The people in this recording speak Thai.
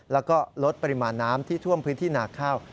แล้วก็ลดปริมาณน้ำที่ท่วมพื้นที่นาข้าว